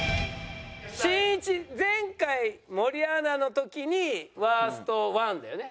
しんいち前回森アナの時にワースト１だよね？